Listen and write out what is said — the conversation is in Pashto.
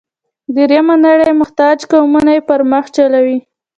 درېیمه نړۍ محتاج قومونه یې پر مخ چلوي.